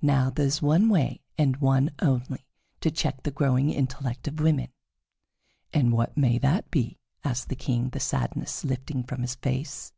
Now there is one way, and one only, to check the growing intellect of women." "And what may that be?" asked the King, the sadness lifting from his face.